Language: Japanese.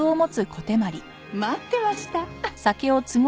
待ってました。